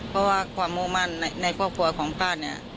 เพราะว่าความมุ่งมั่นในครัวของป้า